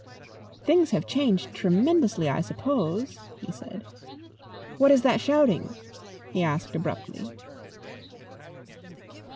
"Things have changed tremendously, I suppose?" he said. "What is that shouting?" he asked abruptly.